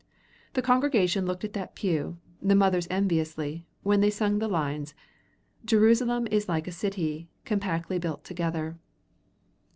The congregation looked at that pew, the mothers enviously, when they sung the lines: "Jerusalem like a city is Compactly built together."